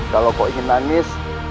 kalau kau ingin nangis